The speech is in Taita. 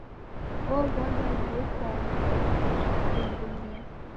Wow'adwa niw'ukongogho dungumia.